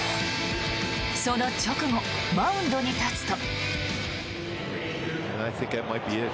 その直後、マウンドに立つと。